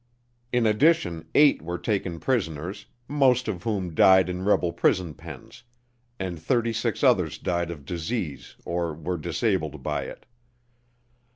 In addition, eight were taken prisoners, most of whom died in rebel prison pens; and thirty six others died of disease or were disabled by it.